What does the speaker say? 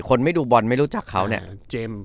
คนไม่ดูบอลไม่รู้จักเขาเนี่ยเจมส์